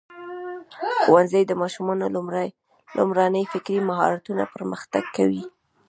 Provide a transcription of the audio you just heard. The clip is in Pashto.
ښوونځی د ماشومانو لومړني فکري مهارتونه پرمختګ کوي.